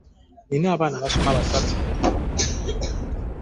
Nnina abaana abasoma basatu.